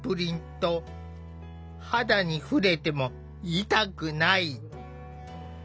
肌に触れても痛くない！